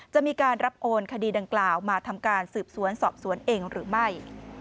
จะมีการรับโอนคดีดังกล่าวมาทำการสืบสวนสอบสวนเองหรือไม่